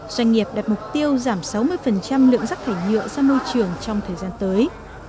doanh nghiệp đặt mục tiêu giảm sáu mươi lượng rắc thải nhựa ra môi trường trong thời gian tới